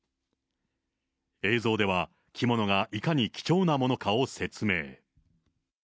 映像では、着物がいかに貴重なものかを説明。